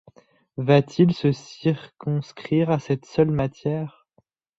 Va-t-il se circonscrire à cette seule matière?